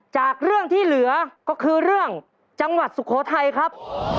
จากเรื่องที่เหลือก็คือเรื่องจังหวัดสุโขทัยครับ